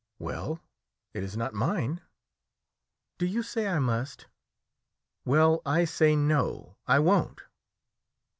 Well, it is not mine. Do you say I must? Well, I say no, I won't.'